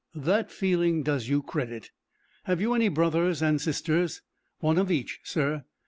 "That feeling does you credit. Have you any brothers and sisters?" "One of each, sir."